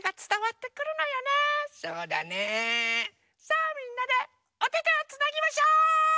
さあみんなでおててをつなぎましょう！